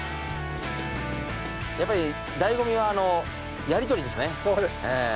やっぱりだいご味はやり取りですね！